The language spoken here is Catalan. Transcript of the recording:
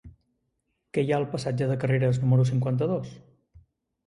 Què hi ha al passatge de Carreras número cinquanta-dos?